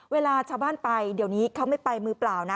เวลาชาวบ้านไปเดี๋ยวนี้เขาไม่ไปมือเปล่านะ